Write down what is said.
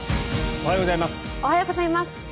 おはようございます。